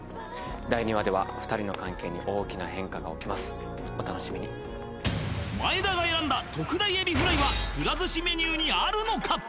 第２話では２人の関係に大きな変化が起きますお楽しみに前田が選んだ特大エビフライはくら寿司メニューにあるのか？